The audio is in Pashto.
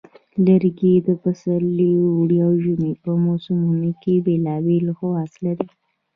لرګي د پسرلي، اوړي، او ژمي په موسمونو کې بیلابیل خواص لري.